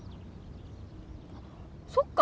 そっか！